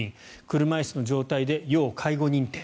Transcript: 車椅子の状態で要介護認定。